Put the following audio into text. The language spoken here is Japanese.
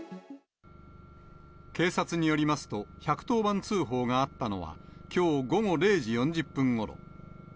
警察によりますと、１１０番通報があったのは、きょう午後０時４０分ごろ。